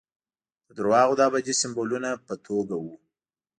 د درواغو د ابدي سمبولونو په توګه وو.